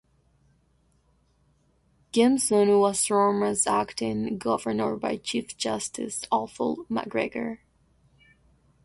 Gimson was sworn as acting Governor by Chief Justice Atholl MacGregor.